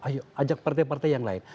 ayo ajak partai partai yang lain